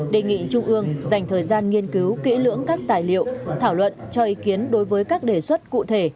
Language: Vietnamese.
đề nghị trung ương dành thời gian nghiên cứu kỹ lưỡng các tài liệu thảo luận cho ý kiến đối với các đề xuất cụ thể